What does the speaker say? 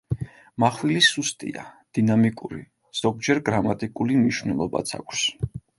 მახვილი სუსტია, დინამიკური, ზოგჯერ გრამატიკული მნიშვნელობაც აქვს.